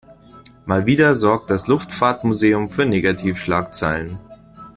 Mal wieder sorgt das Luftfahrtmuseum für Negativschlagzeilen.